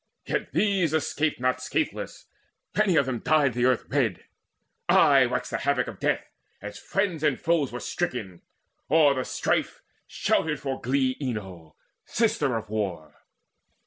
Yet these escaped not scatheless; many of them Dyed the earth red: aye waxed the havoc of death As friends and foes were stricken. O'er the strife Shouted for glee Enyo, sister of War.